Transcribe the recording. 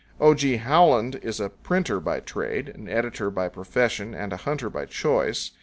123 O. G. Howland is a printer by trade, an editor by profession, and a hunter by choice.